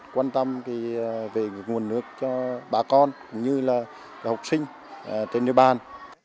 quan tâm về nguồn nước cho bà con cũng như là học sinh tên nữ ban